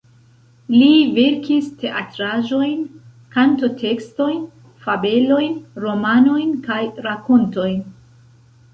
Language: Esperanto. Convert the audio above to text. Li verkis teatraĵojn, kanto-tekstojn, fabelojn, romanojn, kaj rakontojn.